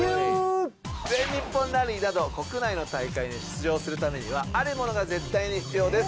全日本ラリーなど国内の大会に出場するためにはあるものが絶対に必要です。